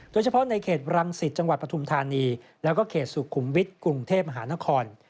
โดยเฉพาะในเขตรังสิตจังหวัดปฐุมธานีแล้วก็เขตสุขุมวิทย์กรุงเทพมหานคร